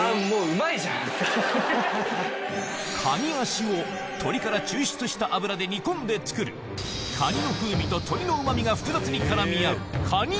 カニ脚を鶏から抽出した油で煮込んで作るカニの風味と鶏のうま味が複雑に絡み合うカニ